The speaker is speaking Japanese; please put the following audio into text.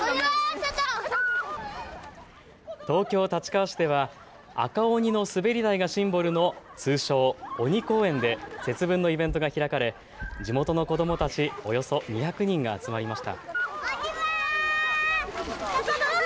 東京立川市では赤鬼の滑り台がシンボルの通称、オニ公園で節分のイベントが開かれ地元の子どもたちおよそ２００人が集まりました。